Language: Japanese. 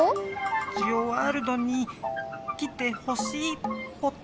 ジオワールドに来てほしいポタ。